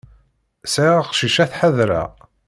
Sɛiɣ aqcic ad t-ḥadreɣ.